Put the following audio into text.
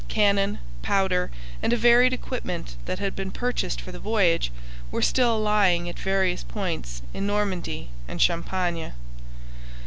Cannon, powder, and a varied equipment that had been purchased for the voyage were still lying at various points in Normandy and Champagne.